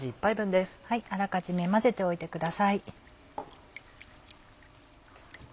あらかじめ混ぜておいてください。